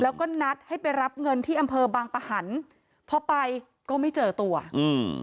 แล้วก็นัดให้ไปรับเงินที่อำเภอบางปะหันพอไปก็ไม่เจอตัวอืม